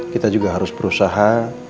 kita juga harus berusaha